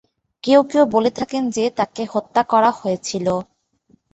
কেউ কেউ বলে থাকেন যে, তাকে হত্যা করা হয়েছিল।